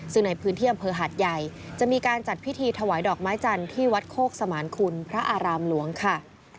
ซึ่งในพื้นที่อำเภอหาดใหญ่จะมีการจัดพิธีถวายดอกไม้จันทร์ที่วัดโคกสมานคุณพระอารามหลวงค่ะ